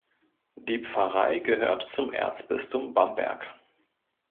Die Pfarrei gehört zum Erzbistum Bamberg.